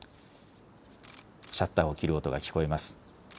シャッターを切る音が聞こえます。